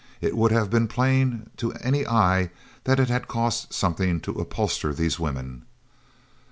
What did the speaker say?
It would have been plain to any eye that it had cost something to upholster these women.